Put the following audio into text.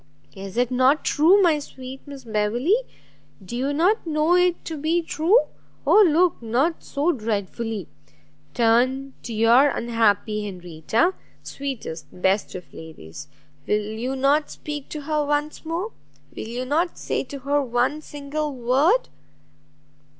Is it not true, my sweet Miss Beverley? do you not know it to be true? Oh look not so dreadfully! turn to your unhappy Henrietta; sweetest, best of ladies! will you not speak to her once more? will you not say to her one single word?"